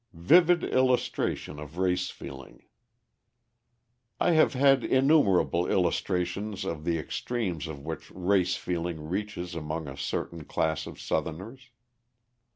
Vivid Illustration of Race Feeling I have had innumerable illustrations of the extremes to which race feeling reaches among a certain class of Southerners.